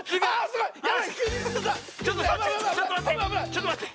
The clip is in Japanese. ちょっとまって。